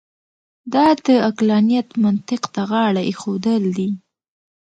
دا د عقلانیت منطق ته غاړه اېښودل دي.